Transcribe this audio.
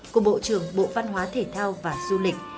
của bộ trưởng bộ văn hóa thể thao và du lịch